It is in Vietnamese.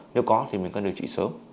nếu có thì mình cần điều trị sớm